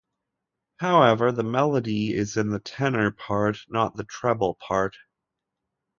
However, the melody is in the tenor part, not the treble part.